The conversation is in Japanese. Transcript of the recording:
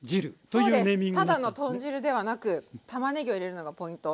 そうですただの豚汁ではなくたまねぎを入れるのがポイント。